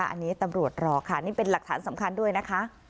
อันนี้ตำรวจรอค่ะนี่เป็นหลักฐานสำคัญด้วยนะคะ